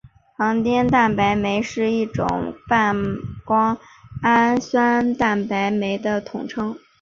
胱天蛋白酶是一类半胱氨酸蛋白酶的统称。